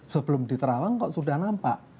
sebelum di terawang kok sudah nampak